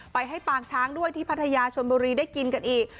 ไปให้ปางช้างด้วยที่พัทยาชนบุรีได้กินกันอีก